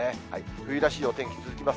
冬らしいお天気続きます。